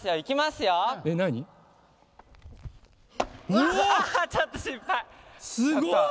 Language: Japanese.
すごい！